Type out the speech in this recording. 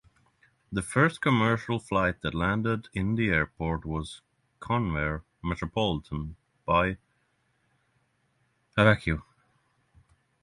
The first commercial flight that landed in the airport was Convair Metropolitan by Aviaco.